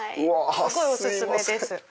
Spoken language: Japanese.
すごいお薦めです。